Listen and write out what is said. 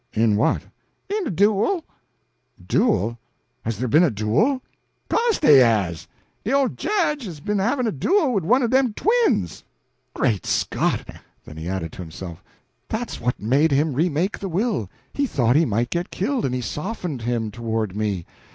"In what?" "In de duel." "Duel? Has there been a duel?" "'Co'se dey has. De ole Jedge has be'n havin' a duel wid one o' dem twins." "Great Scott!" Then he added to himself: "That's what made him re make the will; he thought he might get killed, and it softened him toward me.